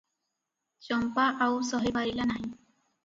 ଚମ୍ପା ଆଉ ସହି ପାରିଲା ନାହିଁ ।